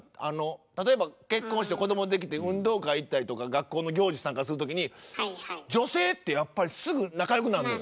例えば結婚して子どもできて運動会行ったりとか学校の行事参加する時に女性ってやっぱりすぐ仲良くなるのよ。